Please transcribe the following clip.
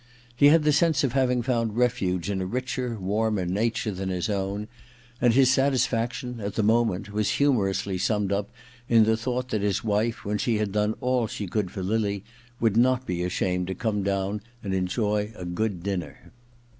He had the sense of having found refuge in a richer, warmer nature than his own, and his satisfaction, at the moment, was hmnorously summed up in the thought that his wife, when she had done all she could for Lily, would not be ashamed to come down and enjoy a good dinner.